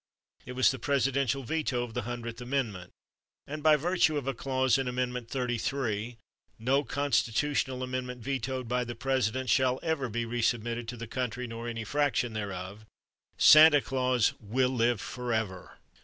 It was the presidential veto of the Hundredth Amendment; and by virtue of a clause in Amendment Thirty three "no Constitutional Amendment vetoed by the President shall ever be resubmitted to the country nor any fraction thereof—" Santa Claus will live forever!